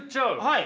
はい。